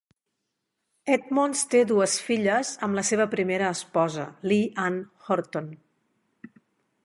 Edmonds té dues filles amb la seva primera esposa, Lee Ann Horton.